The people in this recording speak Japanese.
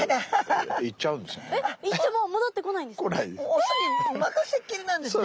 雄に任せっきりなんですね。